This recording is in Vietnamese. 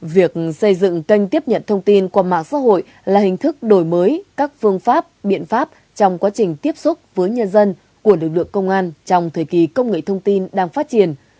việc xây dựng kênh tiếp nhận thông tin qua mạng xã hội là hình thức đổi mới các phương pháp biện pháp trong quá trình tiếp xúc với nhân dân của lực lượng công an trong thời kỳ công nghệ thông tin đang phát triển